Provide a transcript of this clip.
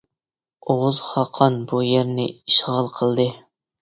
ئوغۇز خاقان بۇ يەرنى ئىشغال قىلدى.